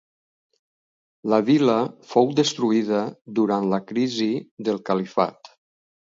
La vila fou destruïda durant la crisi del Califat.